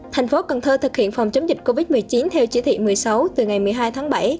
thành phố cần thơ thực hiện phòng chống dịch covid một mươi chín theo chỉ thị một mươi sáu từ ngày một mươi hai tháng bảy